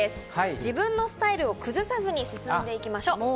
自分のスタイルを崩さずに進んでいきましょう。